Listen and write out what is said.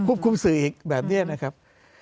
คุบคุมศึอีกแบบนี้นะครับ